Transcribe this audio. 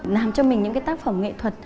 làm cho mình những tác phẩm nghệ thuật